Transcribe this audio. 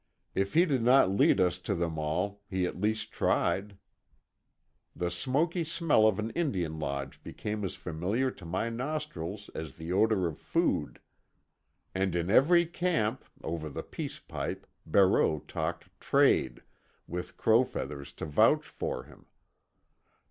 If he did not lead us to them all, he at least tried. The smoky smell of an Indian lodge became as familiar to my nostrils as the odor of food. And in every camp, over the peace pipe, Barreau talked "trade," with Crow Feathers to vouch for him.